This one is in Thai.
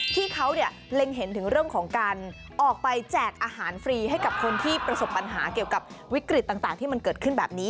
ที่เขาเล็งเห็นถึงเรื่องของการออกไปแจกอาหารฟรีให้กับคนที่ประสบปัญหาเกี่ยวกับวิกฤตต่างที่มันเกิดขึ้นแบบนี้